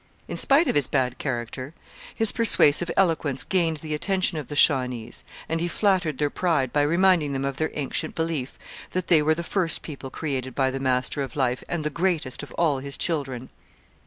In spite of his bad character his persuasive eloquence gained the attention of the Shawnees, and he flattered their pride by reminding them of their ancient belief that they were the first people created by the Master of Life and the greatest of all his children.